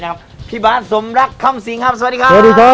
ครับพี่บาทสมรักคำสิงครับสวัสดีครับสวัสดีครับ